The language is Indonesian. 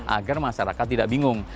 agar masyarakat tidak bingung